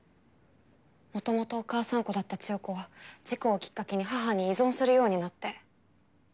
もともとお母さん子だった千世子は事故をきっかけに母に依存するようになって。